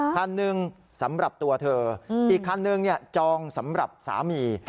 คันหนึ่งสำหรับตัวเธออีกคันนึงจองสำหรับสามี